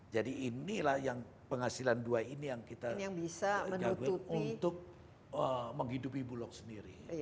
jadi inilah yang penghasilan dua ini yang kita gabung untuk menghidupi bulog sendiri